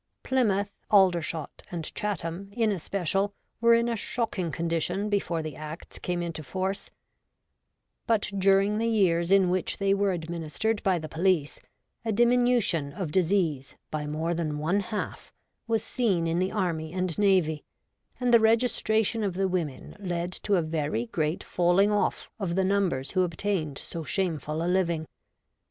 Plymouth, Aldershot, and Chatham, in especial, were in a shocking condition before the Acts came into force ; but during the years in which they were administered by the police, a diminution of disease by more than one half was seen in the Army and Navy, and the registration of the women led to WOMAN IN SOCIAL POLITY. 55 a very great falling off of the numbers who obtained so shameful a living.